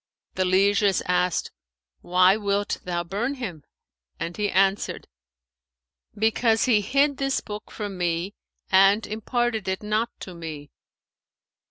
The lieges asked, 'Why wilt thou burn him?'; and he answered, 'Because he hid this book from me and imparted it not to me.'